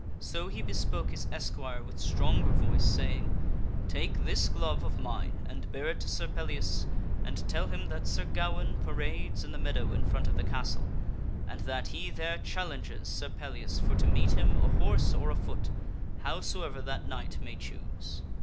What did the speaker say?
So he bespoke his esquire with stronger _.. r ., Sir Gawaine voice, saying, " Take this glove of mine and bear it to Sir issues challenge Pellias and tell him that Sir Gawaine parades in the meadow to sir Pellias in front of the castle and that he there challenges Sir Pellias for to meet him a horse or afoot, howsoever that knight may choose."